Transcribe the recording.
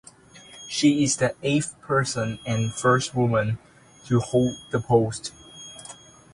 She is the eighth person and first woman to hold the post.